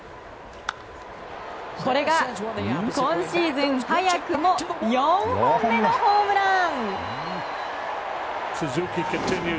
これが今シーズン早くも４本目のホームラン！